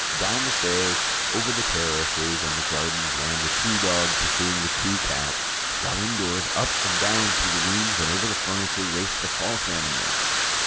Down the stairs, over the terraces and the gardens ran the true dog, pursuing the true cat, while indoors, up and down through the rooms and over the furniture, raced the false animals.